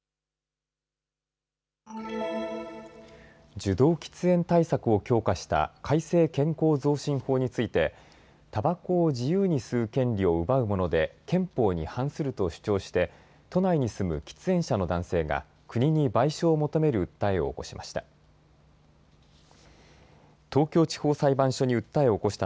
受動喫煙対策を強化した改正健康増進法についてたばこを自由に吸う権利を奪うもので憲法に反すると主張して都内に住む喫煙者の男性が国に賠償を求める訴えを起こしました。